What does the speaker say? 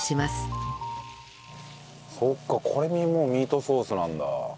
そっかこれにもうミートソースなんだ。